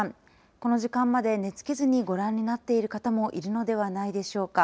この時間まで寝つけずにご覧になっている方もいるのではないでしょうか。